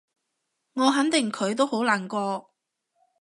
我肯定佢都好難過